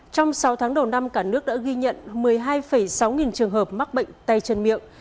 trong sáu tháng đầu năm cả nước đã ghi nhận một mươi hai sáu nghìn trường hợp mắc bệnh tay chân miệng